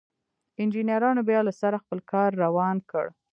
انجنيرانو بيا له سره خپل کار روان کړ.